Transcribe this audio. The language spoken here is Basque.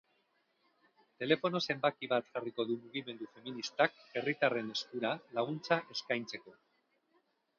Telefono zenbaki bat jarriko du mugimendu feministak herritarren eskura, laguntza eskaintzeko.